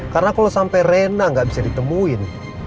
karena kalau sampai reina gak bisa ditemuin